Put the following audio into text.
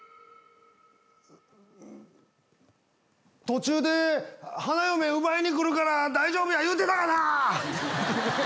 途中で花嫁奪いにくるから大丈夫や言うてたがな！